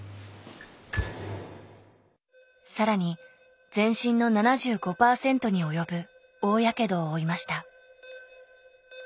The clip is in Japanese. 更に全身の７５％に及ぶ大やけどを負いました。